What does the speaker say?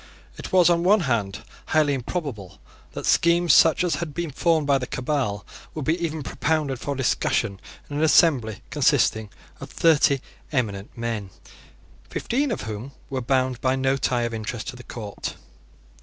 It was, on one hand, highly improbable that schemes such as had been formed by the Cabal would be even propounded for discussion in an assembly consisting of thirty eminent men, fifteen of whom were bound by no tie of interest to the court.